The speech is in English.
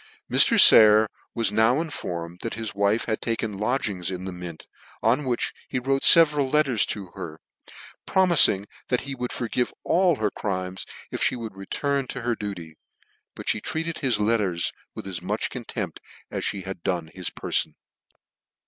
Mr. Sayer was now informed that his wife had taken lodgings in the Mint, on which he wrote fcveral letters to her, promising that he would forgive all her crimes, if (he would return to her duty: but fhe treated his lerters with as much contempt as (he had done his perfon.